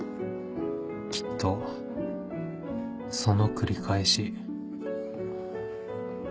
きっとその繰り返し